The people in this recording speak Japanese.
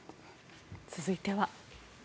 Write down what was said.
続いては。